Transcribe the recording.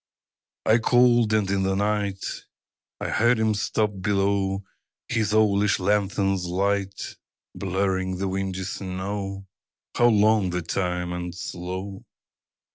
I called. And in the night I heard him stop below, His owlish lanthorn's light Blurring the windy snow How long the time and slow!